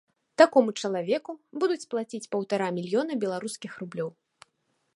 Такому чалавеку будуць плаціць паўтара мільёна беларускіх рублёў.